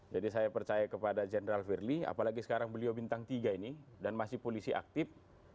jadi saya percaya kepada general verly apalagi sekarang beliau bintang tiga ini dan masih polisi aktif